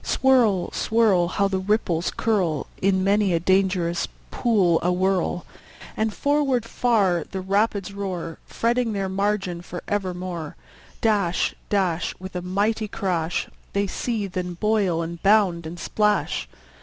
Swirl, swirl! How the ripples curl In many a dangerous pool awhirl! And forward far the rapids roar, Fretting their margin for evermore. Dash, dash, With a mighty crash, They seethe, and boil, and bound, and splash.